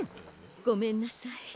ごめんなさい。